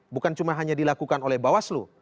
bukan cuma hanya dilakukan oleh bawaslu